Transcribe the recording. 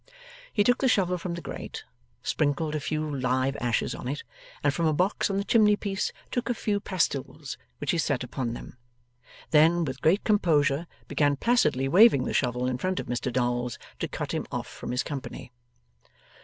He took the shovel from the grate, sprinkled a few live ashes on it, and from a box on the chimney piece took a few pastiles, which he set upon them; then, with great composure began placidly waving the shovel in front of Mr Dolls, to cut him off from his company.